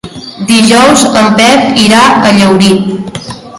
Dijous en Pep irà a Llaurí.